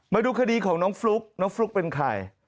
มาดูคดีของน้องฟลุ๊กน้องฟลุ๊กเป็นใคร